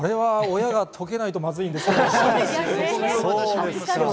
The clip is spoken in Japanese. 親が解けないとまずいですね。